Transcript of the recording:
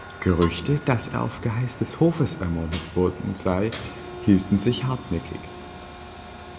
Gerüchte, dass er auf Geheiß des Hofes ermordet worden sei, hielten sich hartnäckig.